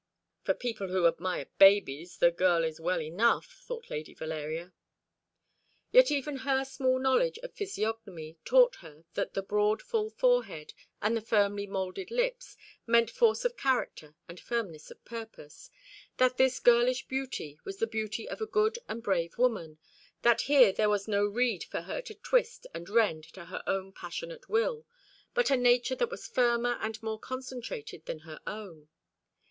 "For people who admire babies the girl is well enough," thought Lady Valeria. Yet even her small knowledge of physiognomy taught her that the broad full forehead and the firmly moulded lips meant force of character and firmness of purpose that this girlish beauty was the beauty of a good and brave woman that here there was no reed for her to twist and rend at her own passionate will, but a nature that was firmer and more concentrated than her own.